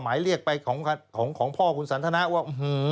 หมายเรียกไปของพ่อคุณสันทนาว่า